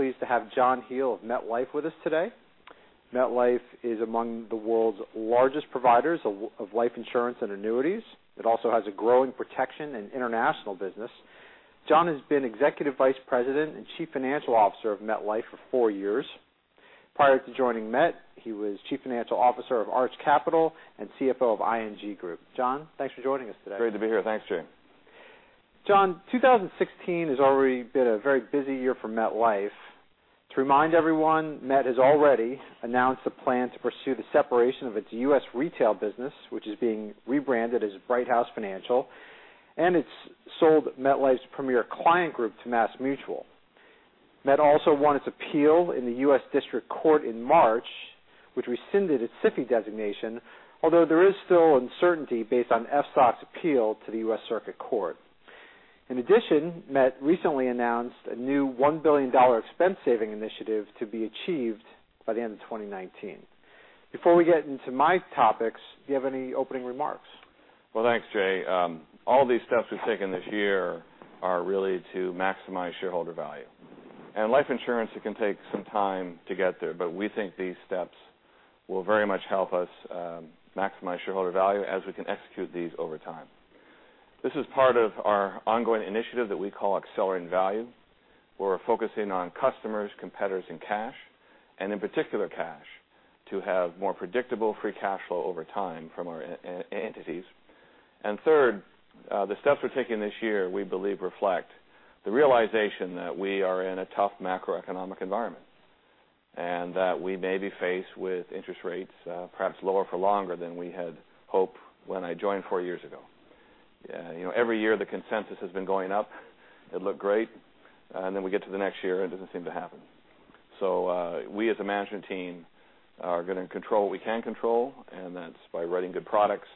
Pleased to have John Hall of MetLife with us today. MetLife is among the world's largest providers of life insurance and annuities. It also has a growing protection in international business. John has been Executive Vice President and Chief Financial Officer of MetLife for four years. Prior to joining Met, he was Chief Financial Officer of Arch Capital and CFO of ING Group. John, thanks for joining us today. Great to be here. Thanks, Jay. John, 2016 has already been a very busy year for MetLife. To remind everyone, Met has already announced a plan to pursue the separation of its U.S. retail business, which is being rebranded as Brighthouse Financial, and it sold MetLife Premier Client Group to MassMutual. Met also won its appeal in the U.S. District Court in March, which rescinded its SIFI designation, although there is still uncertainty based on FSOC's appeal to the U.S. Circuit Court. In addition, Met recently announced a new $1 billion expense-saving initiative to be achieved by the end of 2019. Before we get into my topics, do you have any opening remarks? Well, thanks, Jay. All these steps we've taken this year are really to maximize shareholder value. In life insurance, it can take some time to get there, but we think these steps will very much help us maximize shareholder value as we can execute these over time. This is part of our ongoing initiative that we call Accelerating Value, where we're focusing on customers, competitors, and cash, and in particular cash, to have more predictable free cash flow over time from our entities. Third, the steps we're taking this year, we believe, reflect the realization that we are in a tough macroeconomic environment, and that we may be faced with interest rates perhaps lower for longer than we had hoped when I joined four years ago. Every year, the consensus has been going up. It looked great, then we get to the next year, and it doesn't seem to happen. We, as a management team, are going to control what we can control, and that's by writing good products,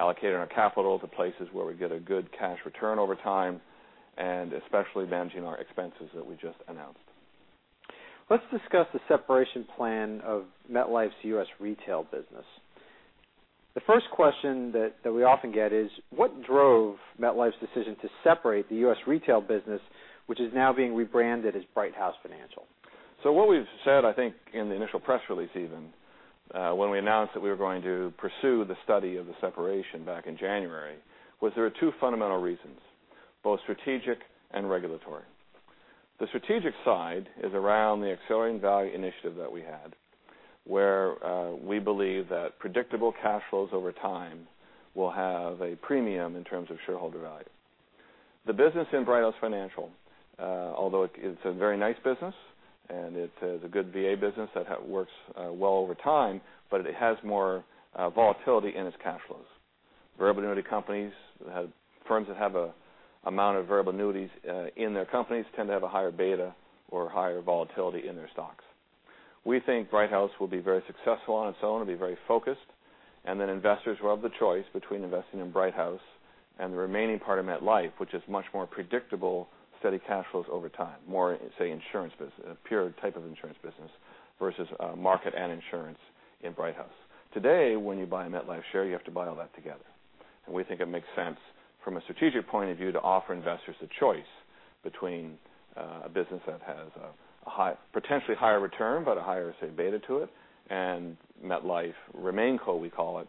allocating our capital to places where we get a good cash return over time, and especially managing our expenses that we just announced. Let's discuss the separation plan of MetLife's U.S. Retail business. The first question that we often get is: what drove MetLife's decision to separate the U.S. Retail business, which is now being rebranded as Brighthouse Financial? What we've said, I think, in the initial press release even, when we announced that we were going to pursue the study of the separation back in January, was there are two fundamental reasons, both strategic and regulatory. The strategic side is around the Accelerating Value initiative that we had, where we believe that predictable cash flows over time will have a premium in terms of shareholder value. The business in Brighthouse Financial, although it's a very nice business, and it is a good VA business that works well over time, but it has more volatility in its cash flows. Variable annuity companies, firms that have an amount of variable annuities in their companies tend to have a higher beta or higher volatility in their stocks. We think Brighthouse will be very successful on its own and be very focused, then investors will have the choice between investing in Brighthouse and the remaining part of MetLife, which is much more predictable, steady cash flows over time, more, say, insurance business, a pure type of insurance business, versus market and insurance in Brighthouse. Today, when you buy a MetLife share, you have to buy all that together. We think it makes sense from a strategic point of view to offer investors the choice between a business that has a potentially higher return, but a higher, say, beta to it, and MetLife RemainCo, we call it,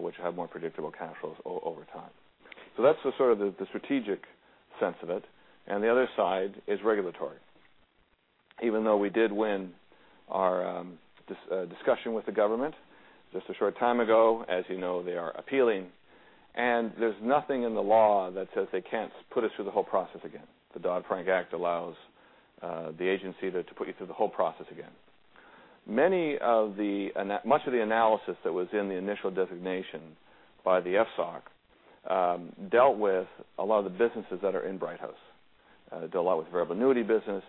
which will have more predictable cash flows over time. That's the strategic sense of it. The other side is regulatory. Even though we did win our discussion with the government just a short time ago, as you know, they are appealing, There's nothing in the law that says they can't put us through the whole process again. The Dodd-Frank Act allows the agency to put you through the whole process again. Much of the analysis that was in the initial designation by the FSOC dealt with a lot of the businesses that are in Brighthouse. It dealt a lot with the variable annuities business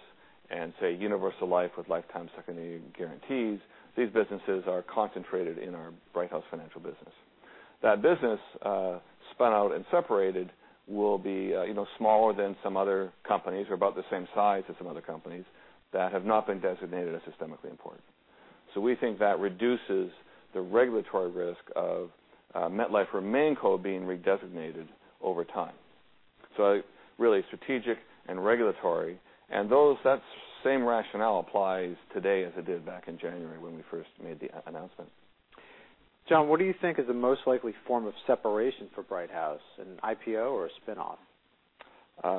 and, say, universal life with lifetime secondary guarantees. These businesses are concentrated in our Brighthouse Financial business. That business, spun out and separated, will be smaller than some other companies or about the same size as some other companies that have not been designated as systemically important. We think that reduces the regulatory risk of MetLife RemainCo being redesignated over time. Really strategic and regulatory, That same rationale applies today as it did back in January when we first made the announcement. John, what do you think is the most likely form of separation for Brighthouse, an IPO or a spin-off?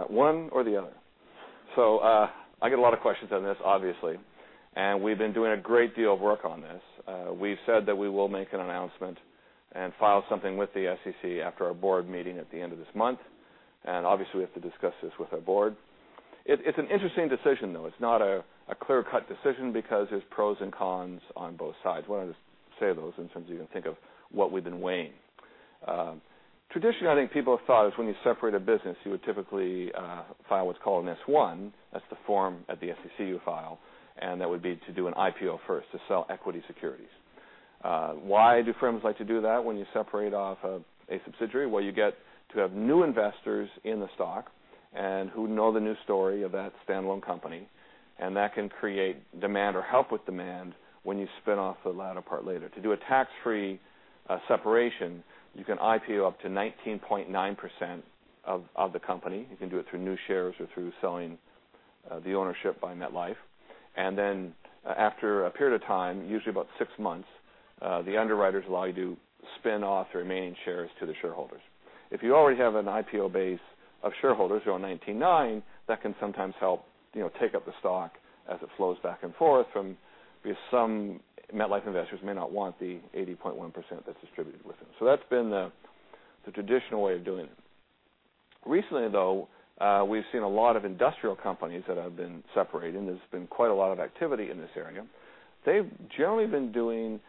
One or the other. I get a lot of questions on this, obviously, We've been doing a great deal of work on this. We've said that we will make an announcement and file something with the SEC after our board meeting at the end of this month, Obviously, we have to discuss this with our board. It's an interesting decision, though. It's not a clear-cut decision because there's pros and cons on both sides. Why don't I just say those in terms you can think of what we've been weighing. Traditionally, I think people have thought is when you separate a business, you would typically file what's called an S1, that's the form at the SEC you file, That would be to do an IPO first to sell equity securities. Why do firms like to do that when you separate off a subsidiary? Well, you get to have new investors in the stock and who know the new story of that standalone company, that can create demand or help with demand when you spin off the latter part later. To do a tax-free separation, you can IPO up to 19.9% of the company. You can do it through new shares or through selling the ownership by MetLife. After a period of time, usually about six months, the underwriters allow you to spin off the remaining shares to the shareholders. If you already have an IPO base of shareholders who own 99, that can sometimes help take up the stock as it flows back and forth from some MetLife investors who may not want the 80.1% that's distributed with it. That's been the traditional way of doing it. Recently, though, we've seen a lot of industrial companies that have been separating. There's been quite a lot of activity in this area. They've generally been doing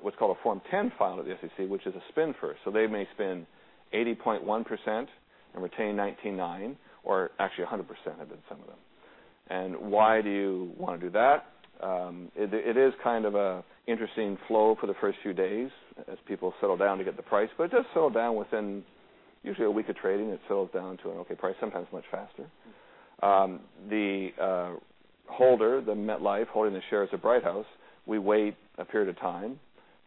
what's called a Form 10 file to the SEC, which is a spin first. They may spin 80.1% and retain 99, or actually 100% have been some of them. Why do you want to do that? It is kind of an interesting flow for the first few days as people settle down to get the price, but it does settle down within usually a week of trading. It settles down to an okay price, sometimes much faster. The holder, the MetLife holding the shares of Brighthouse, we wait a period of time,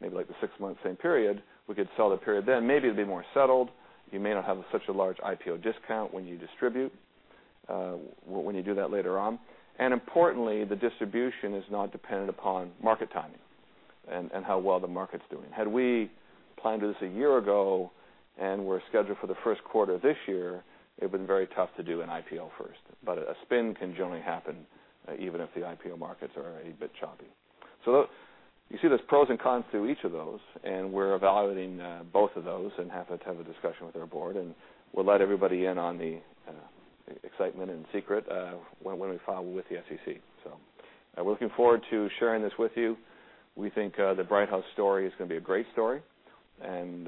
maybe the six-month same period. We could sell the period then. Maybe it'll be more settled. You may not have such a large IPO discount when you distribute, when you do that later on. Importantly, the distribution is not dependent upon market timing and how well the market's doing. Had we planned this a year ago and were scheduled for the first quarter this year, it would've been very tough to do an IPO first, but a spin can generally happen even if the IPO markets are a bit choppy. You see there's pros and cons to each of those, and we're evaluating both of those and have to have a discussion with our board, and we'll let everybody in on the excitement and secret when we file with the SEC. We're looking forward to sharing this with you. We think the Brighthouse story is going to be a great story, and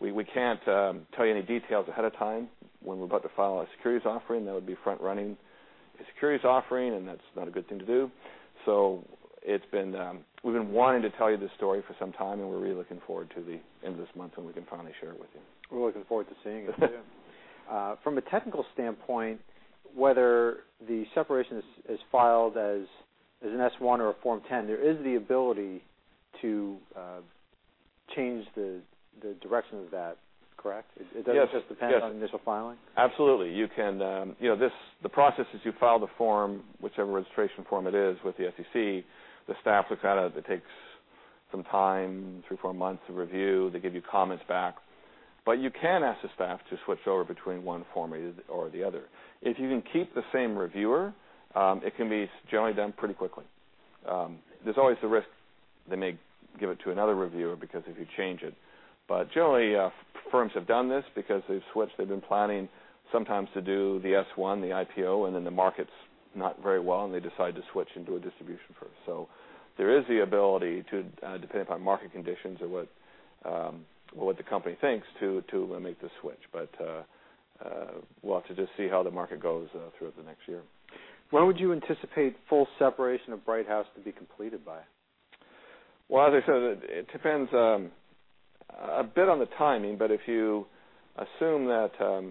we can't tell you any details ahead of time when we're about to file a securities offering. That would be front-running a securities offering, and that's not a good thing to do. We've been wanting to tell you this story for some time, and we're really looking forward to the end of this month when we can finally share it with you. We're looking forward to seeing it too. From a technical standpoint, whether the separation is filed as an S1 or a Form 10, there is the ability to change the direction of that, correct? Yes. It doesn't just depend on initial filing? Absolutely. The process is you file the form, whichever registration form it is with the SEC. The staff looks at it. It takes some time, three or four months to review. They give you comments back. You can ask the staff to switch over between one form or the other. If you can keep the same reviewer, it can be generally done pretty quickly. There's always the risk they may give it to another reviewer because if you change it. Generally, firms have done this because they've switched. They've been planning sometimes to do the S1, the IPO, and then the market's not very well, and they decide to switch and do a distribution first. There is the ability to, depending upon market conditions or what the company thinks, to make the switch. We'll have to just see how the market goes through the next year. When would you anticipate full separation of Brighthouse to be completed by? As I said, it depends a bit on the timing. If you assume that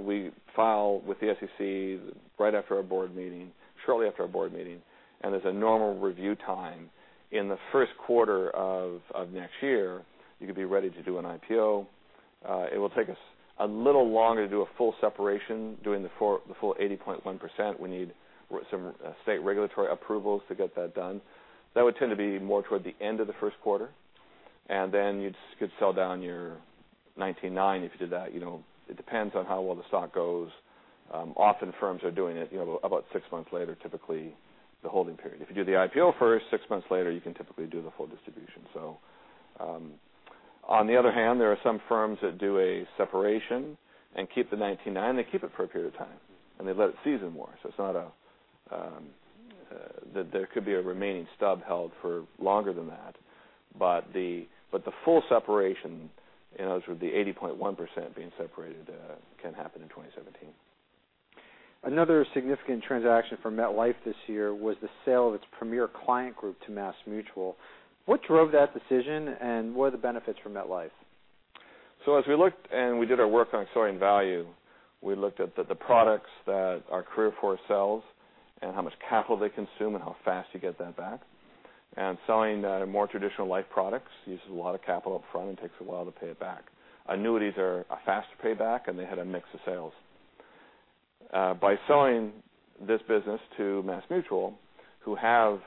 we file with the SEC right after our board meeting, shortly after our board meeting, and there's a normal review time, in the first quarter of next year, you could be ready to do an IPO. It will take us a little longer to do a full separation, doing the full 80.1%. We need some state regulatory approvals to get that done. That would tend to be more toward the end of the first quarter. Then you could sell down your 99 if you did that. It depends on how well the stock goes. Often firms are doing it about six months later, typically the holding period. If you do the IPO first, six months later, you can typically do the full distribution. On the other hand, there are some firms that do a separation and keep the 99. They keep it for a period of time, and they let it season more. There could be a remaining stub held for longer than that. The full separation, in other words, with the 80.1% being separated, can happen in 2017. Another significant transaction for MetLife this year was the sale of its MetLife Premier Client Group to MassMutual. What drove that decision, and what are the benefits for MetLife? As we looked and we did our work on Accelerating Value, we looked at the products that our career corps sells and how much capital they consume and how fast you get that back. Selling more traditional life products uses a lot of capital upfront and takes a while to pay it back. Annuities are a faster payback, and they had a mix of sales. By selling this business to MassMutual, who have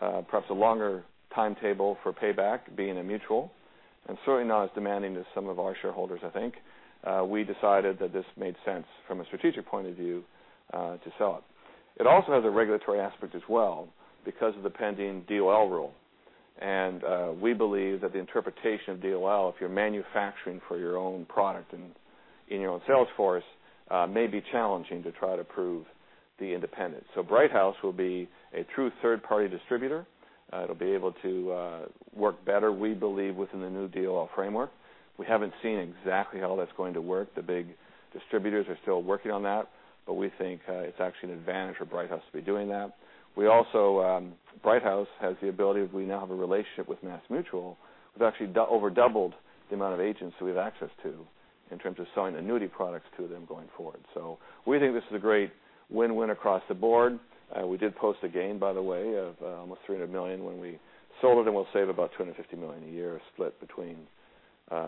perhaps a longer timetable for payback, being a mutual, and certainly not as demanding as some of our shareholders, I think, we decided that this made sense from a strategic point of view to sell it. It also has a regulatory aspect as well because of the pending DOL rule. We believe that the interpretation of DOL, if you're manufacturing for your own product and in your own sales force, may be challenging to try to prove the independence. Brighthouse will be a true third-party distributor. It'll be able to work better, we believe, within the new DOL framework. We haven't seen exactly how that's going to work. The big distributors are still working on that, but we think it's actually an advantage for Brighthouse to be doing that. Also, Brighthouse has the ability as we now have a relationship with MassMutual. We've actually over doubled the amount of agents that we have access to in terms of selling annuity products to them going forward. We think this is a great win-win across the board. We did post a gain, by the way, of almost $300 million when we sold it. We'll save about $250 million a year split between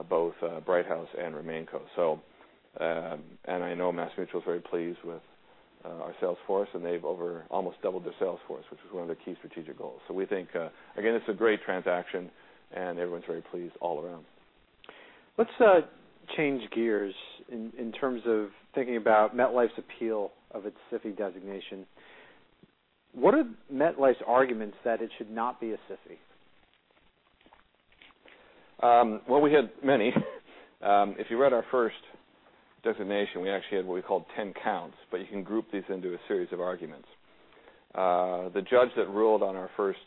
both Brighthouse and RemainCo. I know MassMutual is very pleased with our sales force, and they've almost doubled their sales force, which was one of their key strategic goals. We think, again, it's a great transaction, and everyone's very pleased all around. Let's change gears in terms of thinking about MetLife's appeal of its SIFI designation. What are MetLife's arguments that it should not be a SIFI? Well, we had many. If you read our first designation, we actually had what we called 10 counts, but you can group these into a series of arguments. The judge that ruled on our first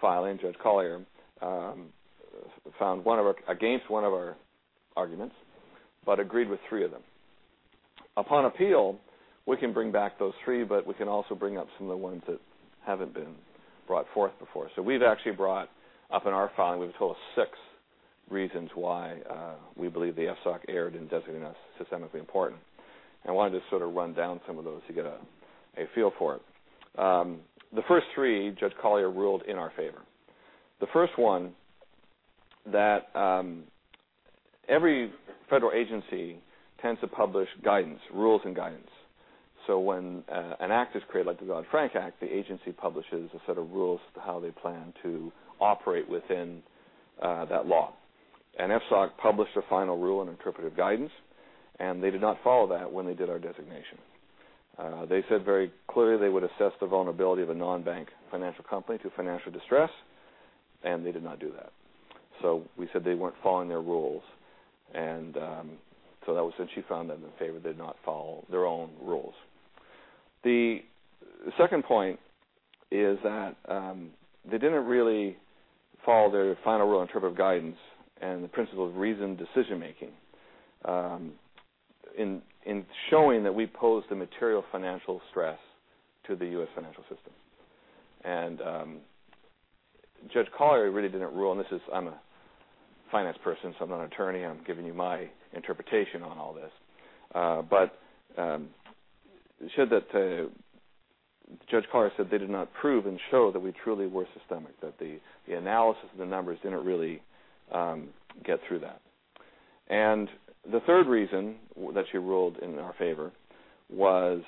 filing, Judge Collyer, found against one of our arguments but agreed with three of them. Upon appeal, we can bring back those three, but we can also bring up some of the ones that haven't been brought forth before. We've actually brought up in our filing, we have a total of six reasons why we believe the FSOC erred in designating us systemically important. I wanted to sort of run down some of those to get a feel for it. The first three, Judge Collyer ruled in our favor. The first one, that every federal agency tends to publish guidance, rules, and guidance. When an act is created, like the Dodd-Frank Act, the agency publishes a set of rules for how they plan to operate within that law. FSOC published a final rule on interpretive guidance, they did not follow that when they did our designation. They said very clearly they would assess the vulnerability of a non-bank financial company to financial distress, they did not do that. We said they weren't following their rules. That was when she found in our favor they did not follow their own rules. The second point is that they didn't really follow their final rule interpretive guidance and the principle of reasoned decision making in showing that we posed a material financial stress to the U.S. financial system. Judge Collyer really didn't rule, and I'm a finance person, so I'm not an attorney, I'm giving you my interpretation on all this. Judge Collyer said they did not prove and show that we truly were systemic, that the analysis and the numbers didn't really get through that. The third reason that she ruled in our favor was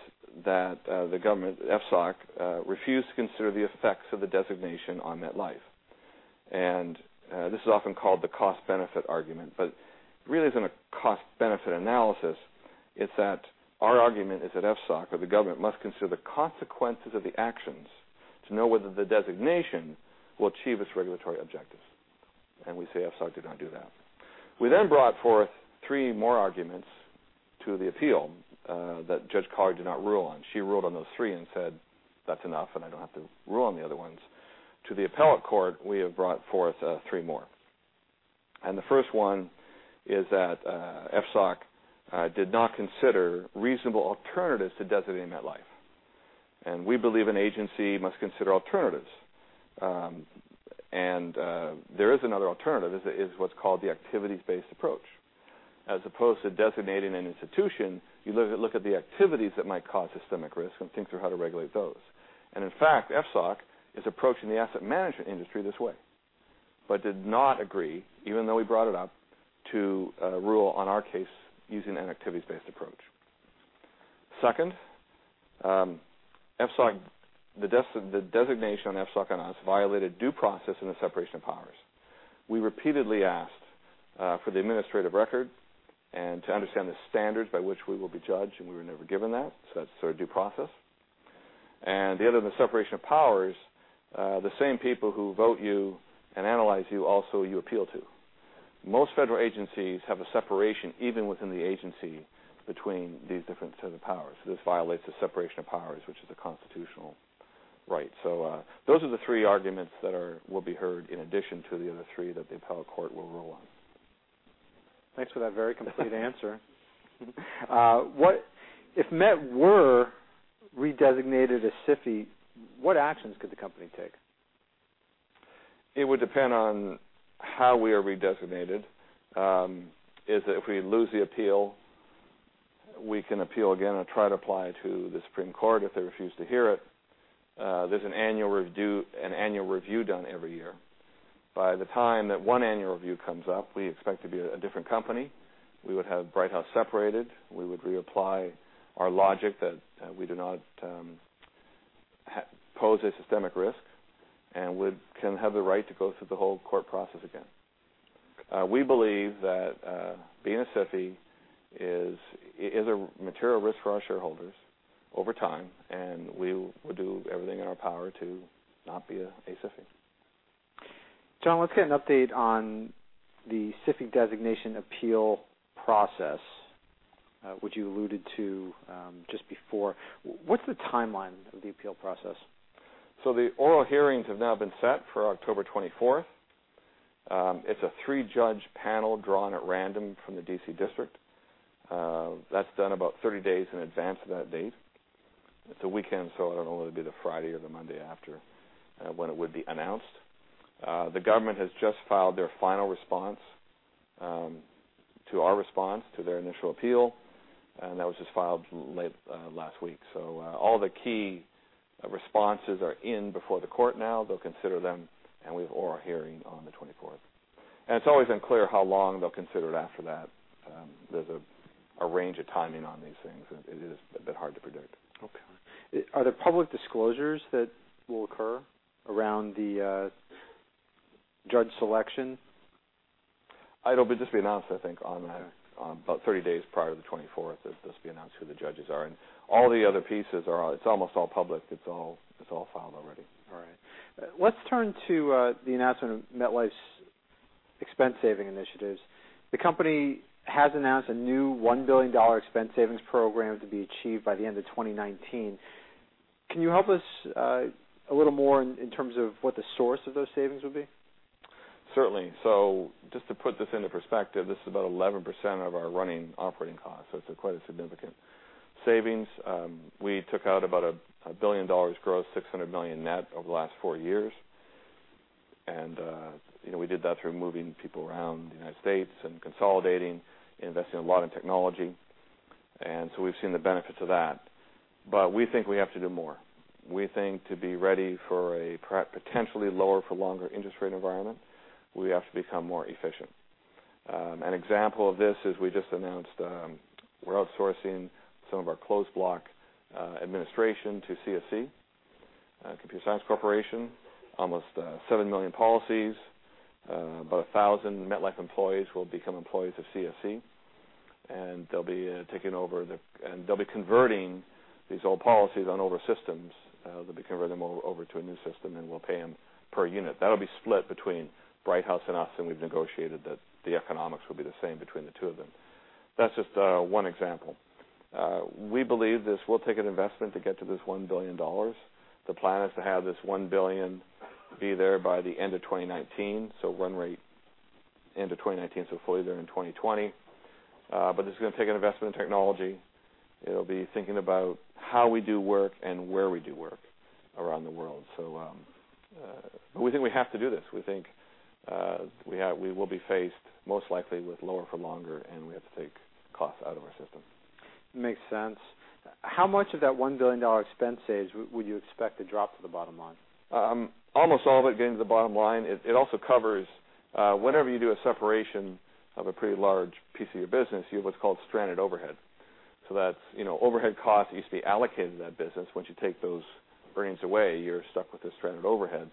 that the government, FSOC, refused to consider the effects of the designation on MetLife. This is often called the cost-benefit argument, but it really isn't a cost-benefit analysis. It's that our argument is that FSOC or the government must consider the consequences of the actions to know whether the designation will achieve its regulatory objectives. We say FSOC did not do that. We brought forth three more arguments to the appeal that Judge Collyer did not rule on. She ruled on those three and said, "That's enough, I don't have to rule on the other ones." To the appellate court, we have brought forth three more. The first one is that FSOC did not consider reasonable alternatives to designating MetLife. We believe an agency must consider alternatives. There is another alternative. It's what's called the activities-based approach. As opposed to designating an institution, you look at the activities that might cause systemic risk and think through how to regulate those. In fact, FSOC is approaching the asset management industry this way but did not agree, even though we brought it up, to rule on our case using an activities-based approach. Second, the designation on FSOC on us violated due process and the separation of powers. We repeatedly asked for the administrative record and to understand the standards by which we will be judged, we were never given that. That's due process. The other, the separation of powers, the same people who vote you and analyze you, also you appeal to. Most federal agencies have a separation, even within the agency, between these different set of powers. This violates the separation of powers, which is a constitutional right. Those are the three arguments that will be heard in addition to the other three that the appellate court will rule on. Thanks for that very complete answer. If Met were redesignated a SIFI, what actions could the company take? It would depend on how we are redesignated. If we lose the appeal, we can appeal again and try to apply to the Supreme Court. If they refuse to hear it, there's an annual review done every year. By the time that one annual review comes up, we expect to be a different company. We would have Brighthouse separated. We would reapply our logic that we do not pose a systemic risk and can have the right to go through the whole court process again. We believe that being a SIFI is a material risk for our shareholders over time, and we will do everything in our power to not be a SIFI. John, let's get an update on the SIFI designation appeal process, which you alluded to just before. What's the timeline of the appeal process? The oral hearings have now been set for October 24th. It's a three-judge panel drawn at random from the D.C. District. That's done about 30 days in advance of that date. It's a weekend, so I don't know whether it'll be the Friday or the Monday after when it would be announced. The government has just filed their final response to our response to their initial appeal, and that was just filed late last week. All the key responses are in before the court now. They'll consider them, and we have oral hearing on the 24th. It's always unclear how long they'll consider it after that. There's a range of timing on these things. It is a bit hard to predict. Okay. Are there public disclosures that will occur around the judge selection? It'll just be announced, I think, about 30 days prior to the 24th. It'll just be announced who the judges are. All the other pieces are out. It's almost all public. It's all filed already. All right. Let's turn to the announcement of MetLife's expense saving initiatives. The company has announced a new $1 billion expense savings program to be achieved by the end of 2019. Can you help us a little more in terms of what the source of those savings would be? Certainly. Just to put this into perspective, this is about 11% of our running operating costs, so it's quite a significant savings. We took out about $1 billion gross, $600 million net over the last four years, and we did that through moving people around the United States and consolidating, investing a lot in technology, and so we've seen the benefits of that. We think we have to do more. We think to be ready for a potentially lower for longer interest rate environment, we have to become more efficient. An example of this is we just announced we're outsourcing some of our closed block administration to CSC, Computer Sciences Corporation. Almost 7 million policies, about 1,000 MetLife employees will become employees of CSC, and they'll be converting these old policies on older systems. They'll be converting them over to a new system, and we'll pay them per unit. That'll be split between Brighthouse and us, and we've negotiated that the economics will be the same between the two of them. That's just one example. We believe this will take an investment to get to this $1 billion. The plan is to have this $1 billion be there by the end of 2019, so run rate end of 2019, so fully there in 2020. It's going to take an investment in technology. It'll be thinking about how we do work and where we do work around the world. We think we have to do this. We think we will be faced most likely with lower for longer, and we have to take costs out of our system. Makes sense. How much of that $1 billion expense saves would you expect to drop to the bottom line? Almost all of it getting to the bottom line. Whenever you do a separation of a pretty large piece of your business, you have what's called stranded overhead. That's overhead costs that used to be allocated to that business. Once you take those brains away, you're stuck with this stranded overhead.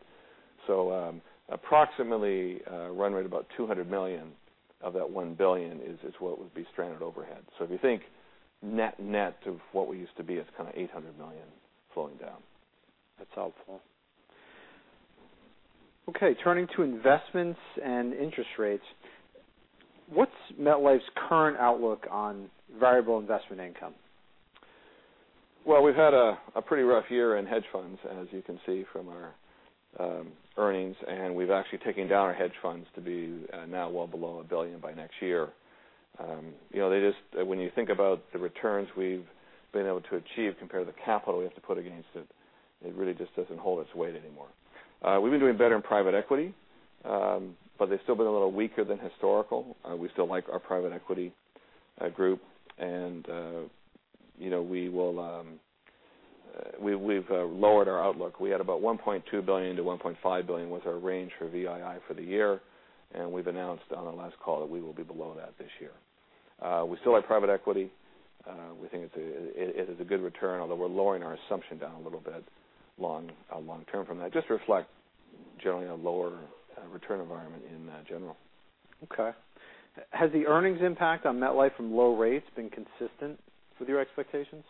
Approximately run rate about $200 million of that $1 billion is what would be stranded overhead. If you think net net of what we used to be, it's kind of $800 million flowing down. That's helpful. Okay, turning to investments and interest rates, what's MetLife's current outlook on variable investment income? Well, we've had a pretty rough year in hedge funds, as you can see from our earnings, and we've actually taken down our hedge funds to be now well below $1 billion by next year. When you think about the returns we've been able to achieve compared to the capital we have to put against it really just doesn't hold its weight anymore. We've been doing better in private equity, but they've still been a little weaker than historical. We still like our private equity group, and we've lowered our outlook. We had about $1.2 billion-$1.5 billion was our range for VII for the year, and we've announced on our last call that we will be below that this year. We still like private equity. We think it is a good return, although we're lowering our assumption down a little bit long-term from that. Just reflect generally a lower return environment in general. Okay. Has the earnings impact on MetLife from low rates been consistent with your expectations?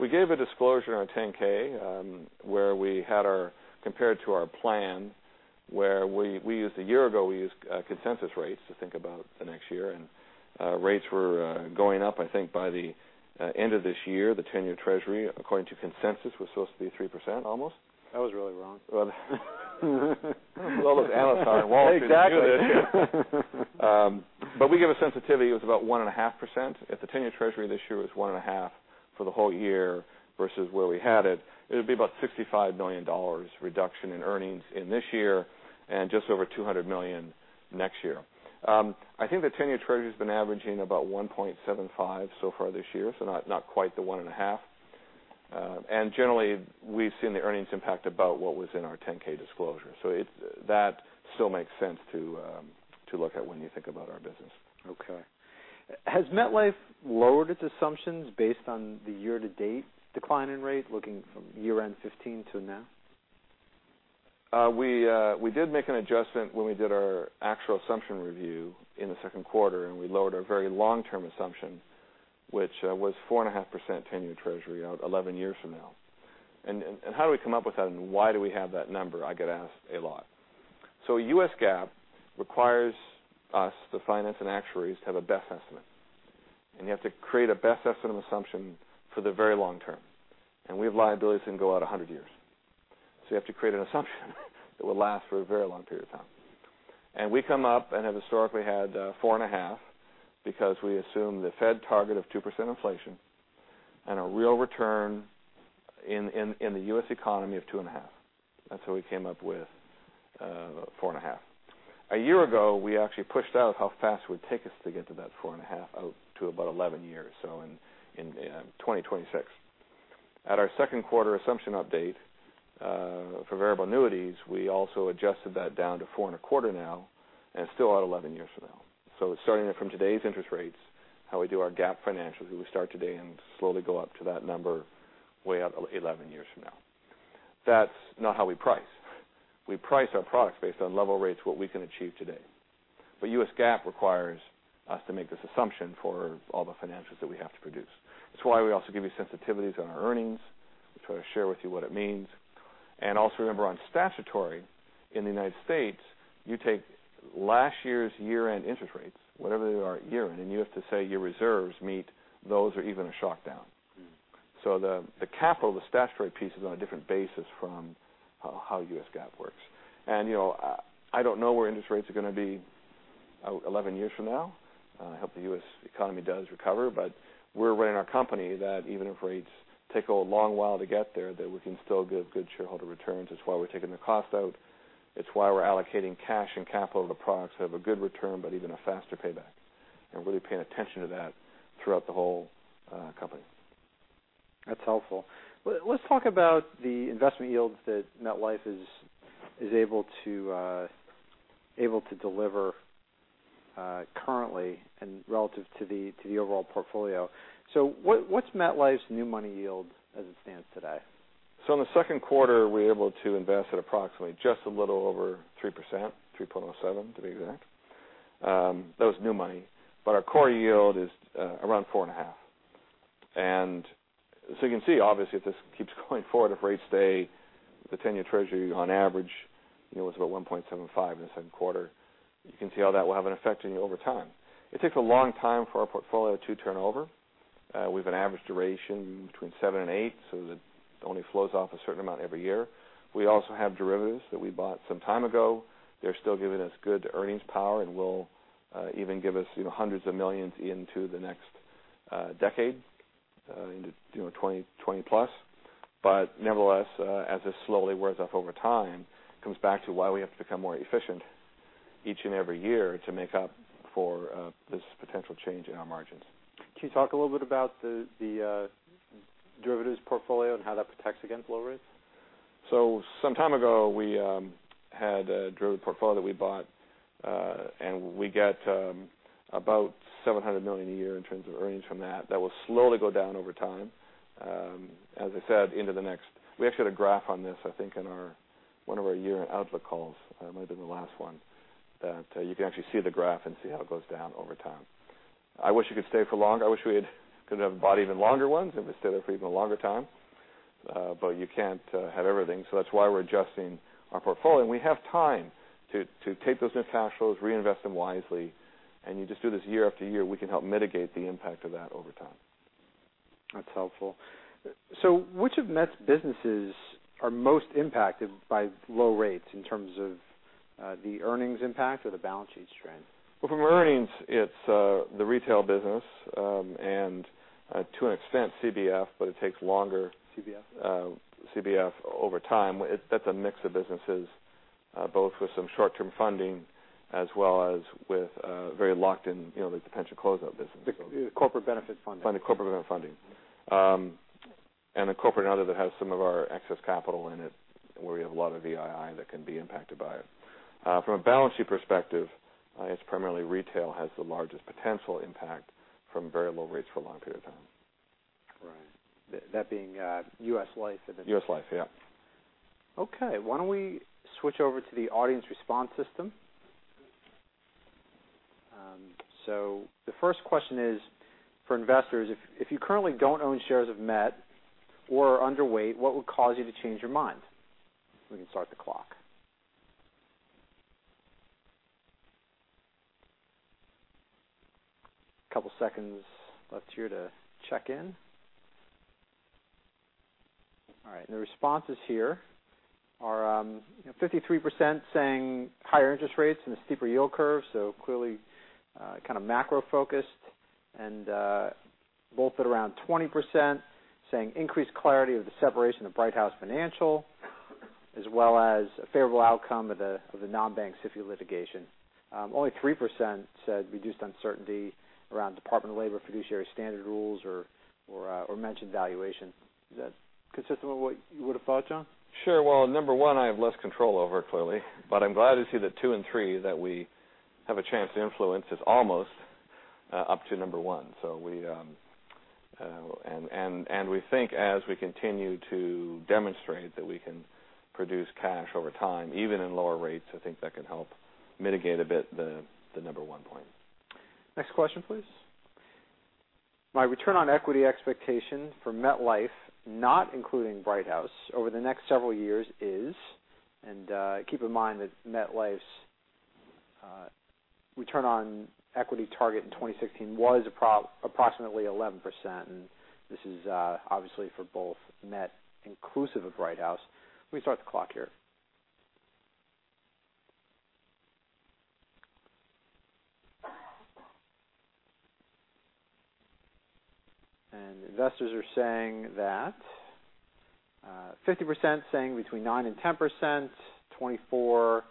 We gave a disclosure on our 10-K, compared to our plan, where a year ago, we used consensus rates to think about the next year, and rates were going up, I think, by the end of this year. The 10-year treasury, according to consensus, was supposed to be 3% almost. That was really wrong. With all those analysts on Wall Street. Exactly. We give a sensitivity. It was about 1.5%. If the 10-year treasury this year was 1.5% for the whole year versus where we had it would be about $65 million reduction in earnings in this year and just over $200 million next year. I think the 10-year treasury's been averaging about 1.75% so far this year, not quite the 1.5%. Generally, we've seen the earnings impact about what was in our 10-K disclosure. That still makes sense to look at when you think about our business. Okay. Has MetLife lowered its assumptions based on the year-to-date decline in rate, looking from year-end 2015 to now? We did make an adjustment when we did our actual assumption review in the second quarter, we lowered our very long-term assumption, which was 4.5% 10-year Treasury out 11 years from now. How do we come up with that, and why do we have that number, I get asked a lot. U.S. GAAP requires us, the finance and actuaries, to have a best estimate, and you have to create a best estimate assumption for the very long term. We have liabilities that can go out 100 years. You have to create an assumption that will last for a very long period of time. We come up and have historically had 4.5 because we assume the Fed target of 2% inflation. A real return in the U.S. economy of two and a half. That's how we came up with four and a half. A year ago, we actually pushed out how fast it would take us to get to that four and a half out to about 11 years, so in 2026. At our second quarter assumption update for variable annuities, we also adjusted that down to four and a quarter now, and it's still out 11 years from now. Starting it from today's interest rates, how we do our GAAP financials, we start today and slowly go up to that number way out 11 years from now. That's not how we price. We price our products based on level rates, what we can achieve today. U.S. GAAP requires us to make this assumption for all the financials that we have to produce. That's why we also give you sensitivities on our earnings. We try to share with you what it means. Also remember on statutory in the United States, you take last year's year-end interest rates, whatever they are at year-end, and you have to say your reserves meet those or even a shock down. The capital, the statutory piece, is on a different basis from how U.S. GAAP works. I don't know where interest rates are going to be 11 years from now. I hope the U.S. economy does recover, we're running our company that even if rates take a long while to get there, that we can still give good shareholder returns. It's why we're taking the cost out. It's why we're allocating cash and capital to products that have a good return, even a faster payback. We're really paying attention to that throughout the whole company. That's helpful. Let's talk about the investment yields that MetLife is able to deliver currently and relative to the overall portfolio. What's MetLife's new money yield as it stands today? In the second quarter, we're able to invest at approximately just a little over 3%, 3.07% to be exact. That was new money, but our core yield is around four and a half. You can see, obviously, if this keeps going forward, if rates stay, the 10-year treasury on average, was about 1.75 in the second quarter. You can see how that will have an effect on you over time. It takes a long time for our portfolio to turn over. We have an average duration between seven and eight, so it only flows off a certain amount every year. We also have derivatives that we bought some time ago. They're still giving us good earnings power, and will even give us $hundreds of millions into the next decade, into 2020 plus. Nevertheless, as this slowly wears off over time, it comes back to why we have to become more efficient each and every year to make up for this potential change in our margins. Can you talk a little bit about the derivatives portfolio and how that protects against low rates? Some time ago, we had a derivative portfolio we bought, and we get about $700 million a year in terms of earnings from that. That will slowly go down over time, as I said. We actually had a graph on this, I think, in one of our year-end outlook calls. It might've been the last one that you can actually see the graph and see how it goes down over time. I wish it could stay for longer. I wish we could have bought even longer ones, it would stay there for even a longer time. You can't have everything, so that's why we're adjusting our portfolio. We have time to take those new cash flows, reinvest them wisely, and you just do this year after year, we can help mitigate the impact of that over time. That's helpful. Which of Met's businesses are most impacted by low rates in terms of the earnings impact or the balance sheet strength? Well, from earnings, it's the retail business, and to an extent, CBF, it takes longer. CBF? CBF over time. That's a mix of businesses, both with some short-term funding as well as with very locked in, the potential closeout business. The Corporate Benefit Funding. Funding Corporate Benefit Funding. The corporate other that has some of our excess capital in it, where we have a lot of II that can be impacted by it. From a balance sheet perspective, it's primarily retail has the largest potential impact from very low rates for a long period of time. Right. That being U.S. Life. U.S. Life, yeah. Okay, why don't we switch over to the audience response system? The first question is for investors, if you currently don't own shares of Met or are underweight, what would cause you to change your mind? We can start the clock. A couple seconds left here to check in. The responses here are 53% saying higher interest rates and a steeper yield curve, clearly kind of macro-focused, and both at around 20% saying increased clarity of the separation of Brighthouse Financial, as well as a favorable outcome of the non-bank SIFI litigation. Only 3% said reduced uncertainty around Department of Labor fiduciary standard rules or mentioned valuation. Is that consistent with what you would have thought, John? Sure. Number 1 I have less control over, clearly. I'm glad to see that 2 and 3, that we have a chance to influence, is almost up to number 1. We think as we continue to demonstrate that we can produce cash over time, even in lower rates, I think that can help mitigate a bit the number 1 point. Next question, please. My return on equity expectation for MetLife, not including Brighthouse, over the next several years is? Keep in mind that MetLife's return on equity target in 2016 was approximately 11%, and this is obviously for both Met inclusive of Brighthouse. We can start the clock here. Investors are saying that 50% saying between 9%-10%, 24%,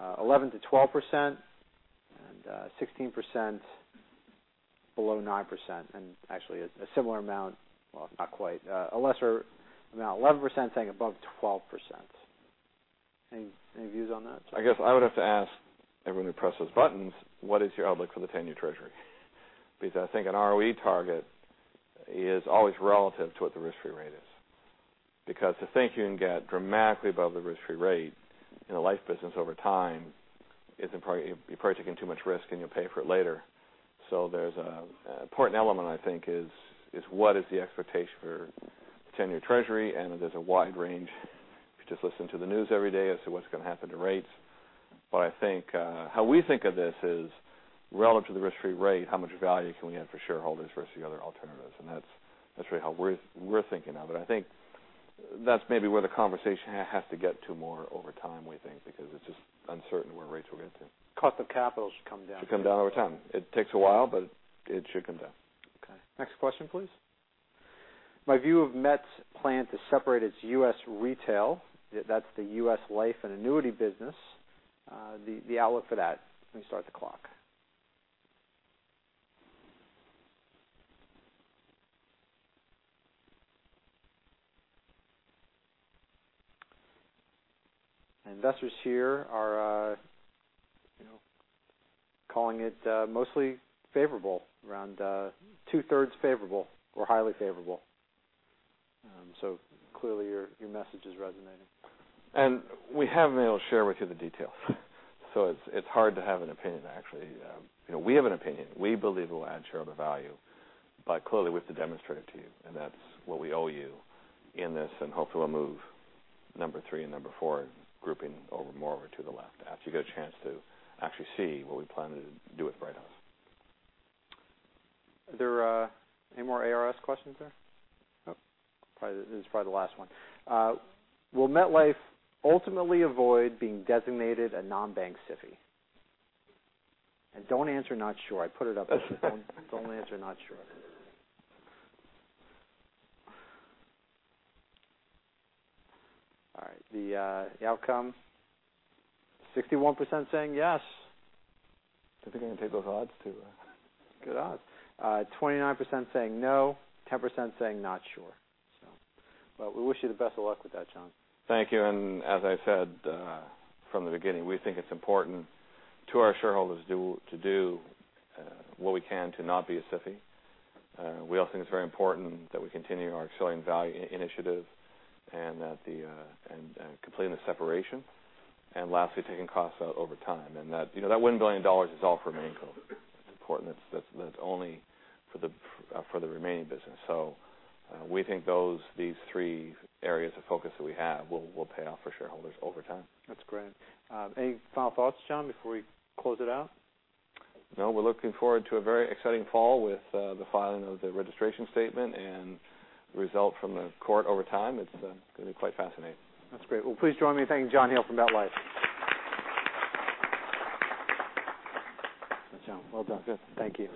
11%-12%, and 16% below 9%. Actually, a similar amount, well, not quite, a lesser amount, 11% saying above 12%. Any views on that? I guess I would have to ask everyone who pressed those buttons, what is your outlook for the 10-year treasury? I think an ROE target is always relative to what the risk-free rate is. To think you can get dramatically above the risk-free rate in a life business over time, you're probably taking too much risk, and you'll pay for it later. There's an important element, I think, is what is the expectation for 10-year treasury, and there's a wide range if you just listen to the news every day as to what's going to happen to rates. I think how we think of this is relative to the risk-free rate, how much value can we add for shareholders versus the other alternatives? That's really how we're thinking of it. I think that's maybe where the conversation has to get to more over time, we think, because it's just uncertain where rates will get to. Cost of capital should come down. Should come down over time. It takes a while, but it should come down. Okay. Next question, please. My view of Met's plan to separate its U.S. retail, that's the U.S. Life and annuity business, the outlook for that. Let me start the clock. Investors here are calling it mostly favorable, around two-thirds favorable or highly favorable. Clearly, your message is resonating. We haven't been able to share with you the details. It's hard to have an opinion, actually. We have an opinion. We believe it will add shareholder value, clearly, we have to demonstrate it to you, that's what we owe you in this. Hopefully, we'll move number three and number four grouping over more to the left after you get a chance to actually see what we plan to do with Brighthouse. Are there any more ARS questions there? Nope. This is probably the last one. Will MetLife ultimately avoid being designated a non-bank SIFI? Don't answer not sure. I put it up there. Don't answer not sure. All right. The outcome, 61% saying yes. I think I can take those odds too. Good odds. 29% saying no, 10% saying not sure. Well, we wish you the best of luck with that, John. Thank you. As I said from the beginning, we think it's important to our shareholders to do what we can to not be a SIFI. We also think it's very important that we continue our Accelerating Value initiative and completing the separation. Lastly, taking costs out over time. That $1 billion is all for RemainCo. That's important. That's only for the remaining business. We think these three areas of focus that we have will pay off for shareholders over time. That's great. Any final thoughts, John, before we close it out? No. We're looking forward to a very exciting fall with the filing of the registration statement and the result from the court over time. It's going to be quite fascinating. That's great. Please join me in thanking John Hall from MetLife. Thanks, John. Well done. Good. Thank you.